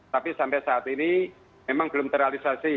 tapi sampai saat ini memang belum terrealisasi